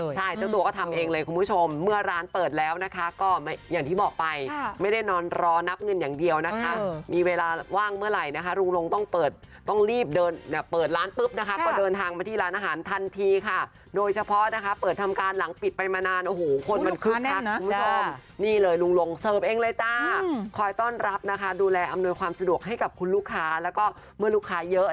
อย่างที่บอกไปไม่ได้นอนรอนับเงินอย่างเดียวนะคะมีเวลาว่างเมื่อไหร่นะคะรุงรงค์ต้องเปิดต้องรีบเดินเปิดร้านปุ๊บนะคะก็เดินทางมาที่ร้านอาหารทันทีค่ะโดยเฉพาะนะคะเปิดทำการหลังปิดไปมานานโอ้โหคนมันคึกคักคุ้มนี่เลยรุงรงค์เสิร์ฟเองเลยจ้าคอยต้อนรับนะคะดูแลอำนวยความสะดวกให้กับคุณลูกค้าแล้วก็เมื่อลูก